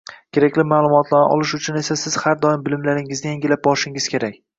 Kerakli maʼlumotlarni olish uchun esa siz har doim bilimlaringizni yangilab borishingiz kerak.